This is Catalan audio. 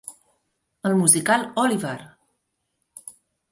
El musical Oliver!